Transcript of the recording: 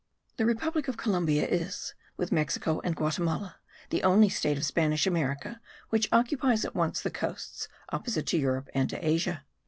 The republic of Columbia is, with Mexico and Guatemala, the only state of Spanish America which occupies at once the coasts opposite to Europe and to Asia.